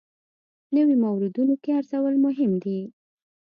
نویو موردونو کې ارزول مهم دي.